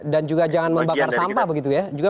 dan juga jangan membakar sampah begitu ya